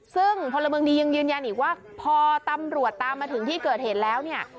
ซึ่งพลเมืองดียังยืนยันอีกว่าพอตำรวจตามมาถึงที่เกิดเหตุแล้วเนี่ย